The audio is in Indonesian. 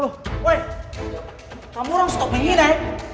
lo tau pengen gak ya